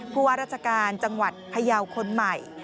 ผู้ว่าราชการจังหวัดพยาวคนใหม่